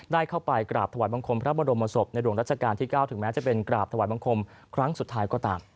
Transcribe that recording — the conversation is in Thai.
ได้เข้าไปกราบถวายบังคมพระบรมศพในหลวงรัชกาลที่๙ถึงแม้จะเป็นกราบถวายบังคมครั้งสุดท้ายก็ตาม